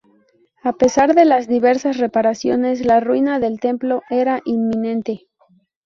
A pesar de las diversas reparaciones, la ruina del templo era inminente.